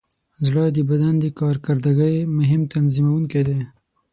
زړه د بدن د کارکردګۍ مهم تنظیموونکی دی.